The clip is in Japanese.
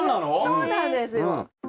そうなんですよ。